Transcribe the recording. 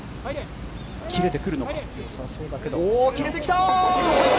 切れてくるのか。